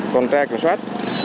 còn tra kiểm soát